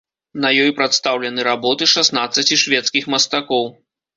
На ёй прадстаўлены работы шаснаццаці шведскіх мастакоў.